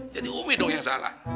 jadi umi dong yang salah